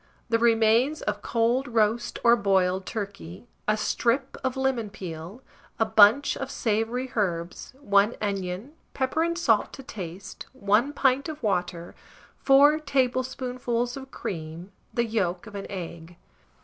The remains of cold roast or boiled turkey; a strip of lemon peel, a bunch of savoury herbs, 1 onion, pepper and salt to taste, 1 pint of water, 4 tablespoonfuls of cream, the yolk of an egg.